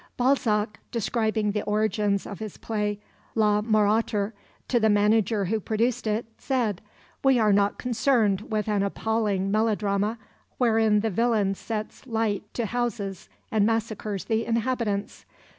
Balzac, describing the origins of his play La Marâtre to the manager who produced it, said: "We are not concerned with an appalling melodrama wherein the villain sets light to houses and massacres the inhabitants.